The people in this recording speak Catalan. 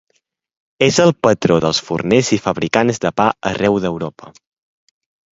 És el patró dels forners i fabricants de pa arreu d'Europa.